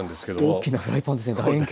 大きなフライパンですねだ